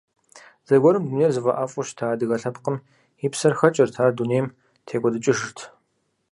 Зэгуэрым дунейр зыфӀэӀэфӀу щыта адыгэ лъэпкъым, и псэр хэкӀырт, ар дунейм текӀуэдыкӀыжырт.